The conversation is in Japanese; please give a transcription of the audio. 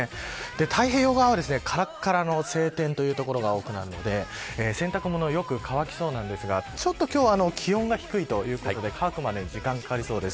太平洋側は、からからの晴天という所が多くなるので洗濯物よく乾きそうなんですがちょっと今日は気温が低いということで乾くまでに時間がかかりそうです。